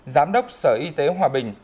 giám đốc sở y tế hòa bình